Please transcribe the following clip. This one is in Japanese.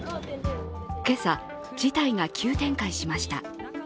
今朝、事態が急展開しました。